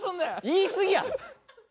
言い過ぎや。